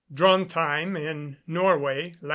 Drontheim in Norway, lat.